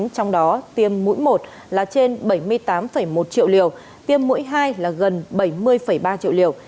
trong đó tiêm mũi một là trên bảy mươi tám một triệu liều tiêm mũi hai là gần bảy mươi ba triệu liều